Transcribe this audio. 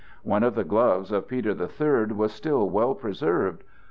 One of the gloves of Peter the Third was still well preserved.